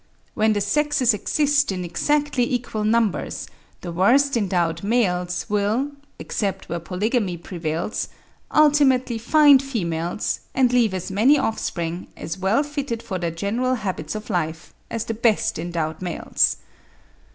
When the sexes exist in exactly equal numbers, the worst endowed males will (except where polygamy prevails), ultimately find females, and leave as many offspring, as well fitted for their general habits of life, as the best endowed males.